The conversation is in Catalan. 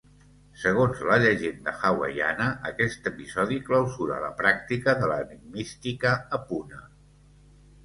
Segons la llegenda hawaiana, aquest episodi clausura la pràctica de l'enigmística a Puna.